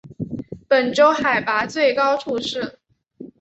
本州海拔最高处是。